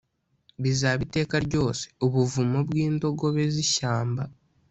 bizaba iteka ryose ubuvumo bw’indogobe z’ishyamba,